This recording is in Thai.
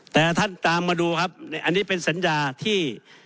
แต่ท่านตามมาดูครับอันนี้เป็นสัญญาที่